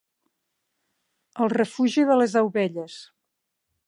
El refugi de les ovelles.